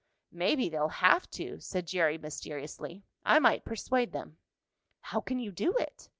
"Maybe they'll have to," said Jerry, mysteriously. "I might persuade them." "How can you do it?"